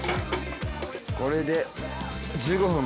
これで。